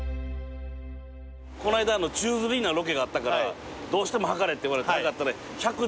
この間宙づりになるロケがあったからどうしても量れって言われて量ったら。